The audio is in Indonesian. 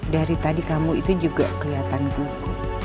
dari tadi kamu itu juga kelihatan gugup